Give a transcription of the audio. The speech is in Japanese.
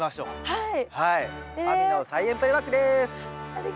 はい。